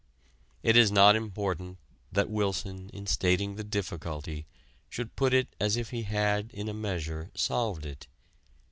It is not important that Wilson in stating the difficulty should put it as if he had in a measure solved it.